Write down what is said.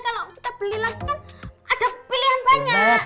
kalo kita beli lah kan ada pilihan banyak